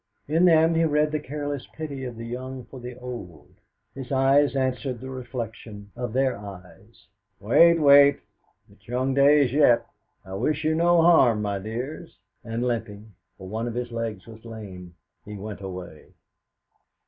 In them he read the careless pity of the young for the old. His eyes answered the reflection of their eyes, 'Wait, wait! It is young days yet! I wish you no harm, my dears!' and limping for one of his legs was lame he went away.